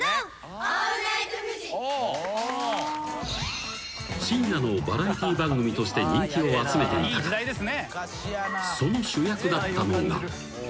「『オールナイトフジ』」［深夜のバラエティー番組として人気を集めていたがその主役だったのが］